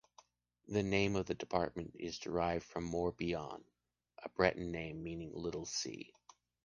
The name of the department is derived from Mor-Bihan, a Breton name meaning Little Sea.